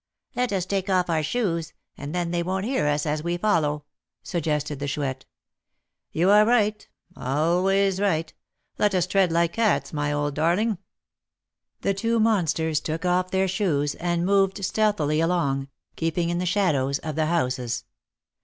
"Let us take off our shoes, and then they won't hear us as we follow," suggested the Chouette. "You are right, always right; let us tread like cats, my old darling." The two monsters took off their shoes, and moved stealthily along, keeping in the shadows of the houses.